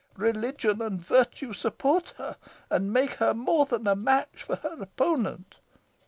Religion and virtue support her, and make her more than a match for her opponent.